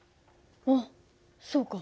あっそうか。